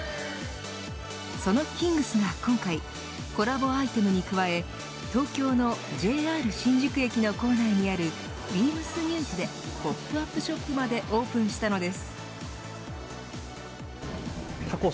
そのキングスが今回コラボアイテムに加え東京のＪＲ新宿駅の構内にあるビームスニューズでポップアップショップまでオープンしたのです。